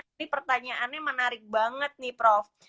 ini pertanyaannya menarik banget nih prof